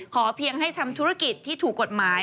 เพียงให้ทำธุรกิจที่ถูกกฎหมาย